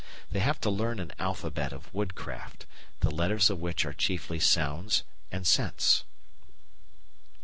They have to learn an alphabet of woodcraft, the letters of which are chiefly sounds and scents.